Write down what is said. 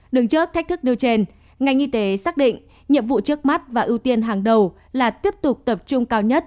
đứng trước thách thức nêu trên ngành y tế xác định nhiệm vụ trước mắt và ưu tiên hàng đầu là tiếp tục tập trung cao nhất